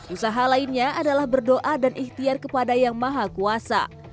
usaha lainnya adalah berdoa dan ikhtiar kepada yang maha kuasa